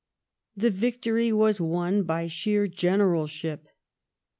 The victory was won by sheer generalship.